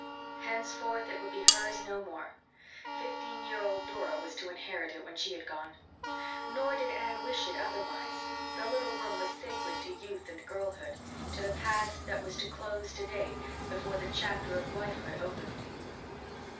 Henceforth it would be hers no more; fifteen year old Dora was to inherit it when she had gone. Nor did Anne wish it otherwise; the little room was sacred to youth and girlhood to the past that was to close today before the chapter of wifehood opened.